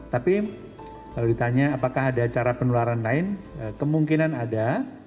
tapi kalau ditanya apakah ada cara penularan lain kemungkinan ada